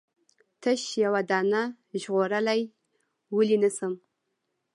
تش یوه دانه ژغورلای ولې نه شم؟